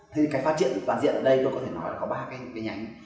thế thì cái phát triển toàn diện ở đây tôi có thể nói là có ba cái nhánh